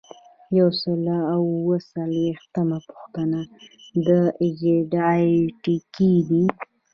یو سل او اووه څلویښتمه پوښتنه د اجنډا ټکي دي.